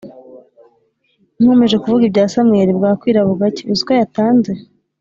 nkomeje kuvuga ibya Samweli bwa kwira bugacya uziko yatanze